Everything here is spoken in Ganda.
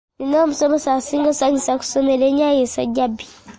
Nnina omusomesa asinga okunsanyusa ku ssomero erinnya lye ye Ssajjabbi.